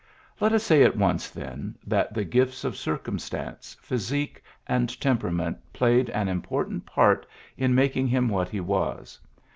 Let us say at once, then, that the gifts of circumstance, physique, and tempera ment played an important part in mak ing him what he was.